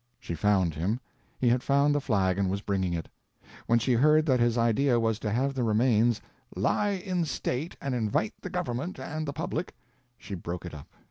She found him. He had found the flag and was bringing it. When she heard that his idea was to have the remains "lie in state, and invite the government and the public," she broke it up.